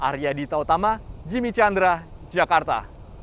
arya dita utama jimmy chandra jakarta